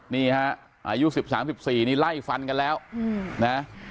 นี่ฮะอายุ๑๓๑๔นี่ไล่ฟันกันแล้วนะ